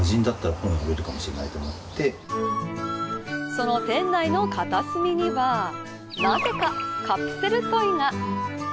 その店内の片隅にはなぜかカプセルトイが。